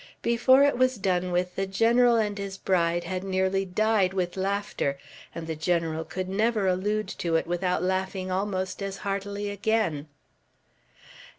Before it was done with, the General and his bride had nearly died with laughter; and the General could never allude to it without laughing almost as heartily again.